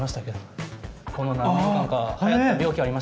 この何年間かはやった病気ありましたけど。